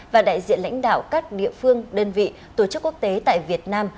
và đại diện lãnh đạo các địa phương đơn vị tổ chức quốc tế tại việt nam